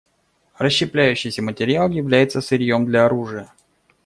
Расщепляющийся материал является сырьем для оружия.